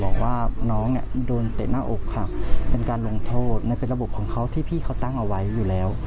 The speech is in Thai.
บอกว่าน้องโตนเตะหน้าอกเป็นการลงโทษเป็นระบบที่เขาตั้งเอาไว้อยู่แล้ว